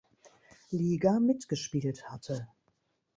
Liga mitgespielt hatte.